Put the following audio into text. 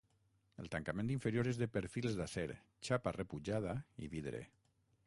El tancament inferior és de perfils d'acer, xapa repujada i vidre.